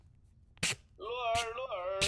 加泽伊河畔勒莫纳斯捷人口变化图示